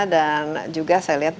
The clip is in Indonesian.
dan juga saya lihat